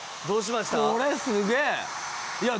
どうしました？